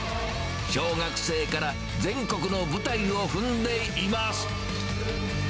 小学生から全国の舞台を踏んでいます。